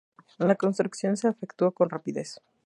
La construcción se efectuó con rapidez.